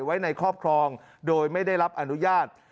ไว้ในครอบครองโดยไม่ได้รับอนุญาต